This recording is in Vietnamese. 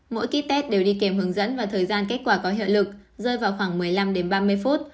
mỗi ký test đều đi kèm hướng dẫn và thời gian kết quả có hiệu lực rơi vào khoảng một mươi năm đến ba mươi phút